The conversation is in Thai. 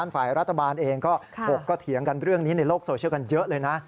ฝ่ายรัฐบาลเองก็ถกก็เถียงกันเรื่องนี้ในโลกโซเชียลกันเยอะเลยนะ